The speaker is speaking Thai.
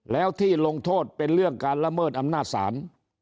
แล้วที่ลงโทษเป็นเรื่องการละเมิดอำนาจศาล